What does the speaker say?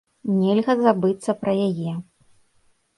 Нельга забыцца пра яе.